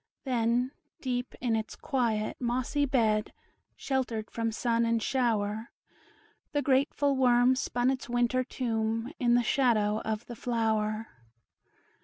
Then, deep in its quiet mossy bed, Sheltered from sun and shower, The grateful worm spun its winter tomb, In the shadow of the flower.